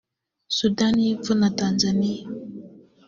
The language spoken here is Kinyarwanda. Sudani y’epfo na Tanzania